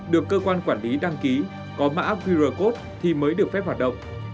được cơ quan quản lý đăng ký có mã qr code thì mới được phép hoạt động